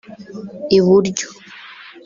i buryo